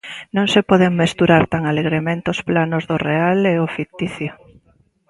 Non se poden mesturar tan alegremente os planos do real e o ficticio.